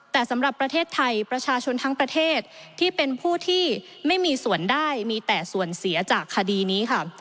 แต่สำหรับประเทศไทยประชาชนทั้งประเทศที่เป็นผู้ที่ไม่มีส่วนได้มีแต่ส่วนเสียจากคดีนี้ค่ะ